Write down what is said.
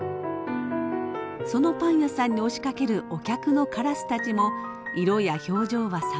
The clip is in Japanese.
そのパンやさんに押しかけるお客のからすたちも色や表情はさまざま。